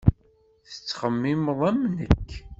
Tettxemmimeḍ am nekk.